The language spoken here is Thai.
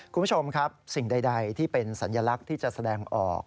คุณผู้ชมครับสิ่งใดที่เป็นสัญลักษณ์ที่จะแสดงออก